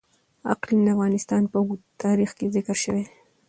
اقلیم د افغانستان په اوږده تاریخ کې ذکر شوی دی.